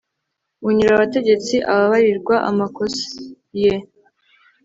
unyura abategetsi ababarirwa amakosa ye